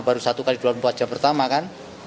baru satu x dua puluh empat jam pertama kan